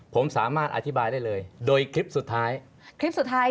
ผมสามารถอธิบายได้เลยโดยคลิปสุดท้าย